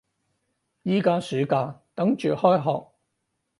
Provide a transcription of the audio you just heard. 而家暑假，等住開學